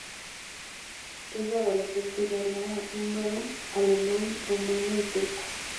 Siendo adolescente ya hablaba húngaro, alemán, rumano y turco.